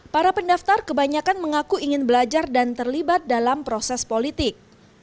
para pendaftar kebanyakan mengaku ingin belajar dan terlibat dalam proses politik